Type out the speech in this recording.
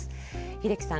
英樹さん